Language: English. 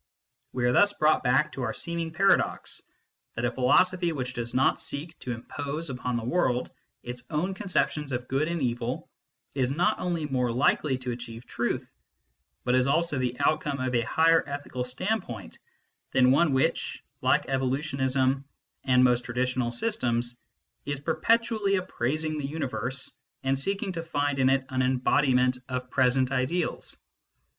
We are thus brought back to our seeming paradox, that a philosophy which does not seek to impose upon the world its own conceptions of good and evil is not only more likely to achieve truth, but is also the outcome of a higher ethical standpoint than one which, like evolu tionism and most traditional systems, is perpetually appraising the universe and seeking to find in it an embodiment of present ideals.